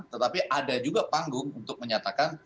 tetapi ada juga panggung untuk menyatakan